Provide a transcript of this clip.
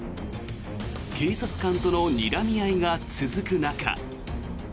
警察官とのにらみ合いが続く中。